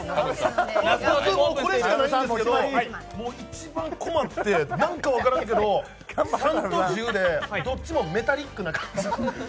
僕、これしかないんですけど一番困って、何か分からんけど、３と１０でどっちもメタリックな感じ。